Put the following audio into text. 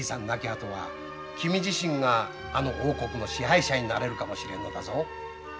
亡き後は君自身があの王国の支配者になれるかもしれんのだぞ。